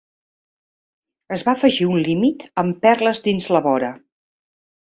Es va afegir un límit amb perles dins la vora.